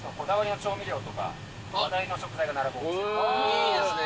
いいですね。